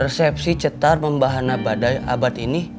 resepsi cetar membahana badai abad ini